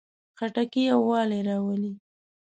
خټکی یووالی راولي.